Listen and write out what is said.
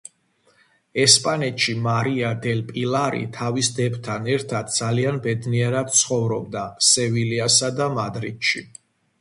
ესპანეთში მარია დელ პილარი თავის დებთან ერთად ძალიან ბედნიერად ცხოვრობდა სევილიასა და მადრიდში.